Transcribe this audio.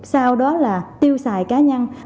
sau đó là tiêu xài cá nhân